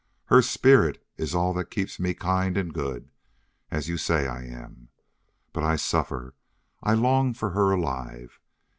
Her spirit is all that keeps me kind and good, as you say I am. But I suffer, I long for her alive.